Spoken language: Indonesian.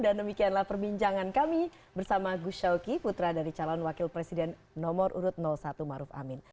dan demikianlah perbincangan kami bersama gus shawki putra dari calon wakil presiden nomor urut satu ma'ruf amin